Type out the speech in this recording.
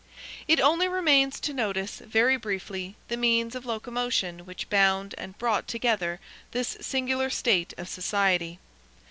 It only remains to notice, very briefly, the means of locomotion which bound and brought together this singular state of society.